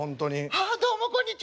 「あどうもこんにちは。